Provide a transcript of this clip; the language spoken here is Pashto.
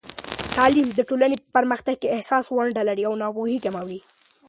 تعلیم د ټولنې په پرمختګ کې اساسي ونډه لري او ناپوهي کموي.